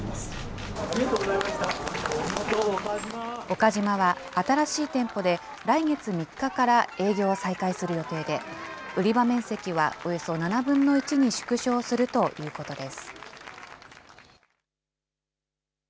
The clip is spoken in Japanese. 岡島は、新しい店舗で来月３日から営業を再開する予定で、売り場面積はおよそ７分の１に縮小するということです。